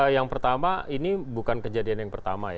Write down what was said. yang pertama ini bukan kejadian yang pertama ya